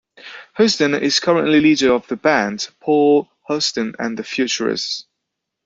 Housden is currently leader of the band, Paul Housden and the Futurists.